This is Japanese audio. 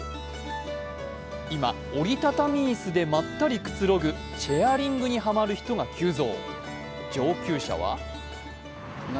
今、折り畳み椅子でまったりくつろぐチェアリングにハマる人が急増。